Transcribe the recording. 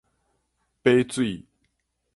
把水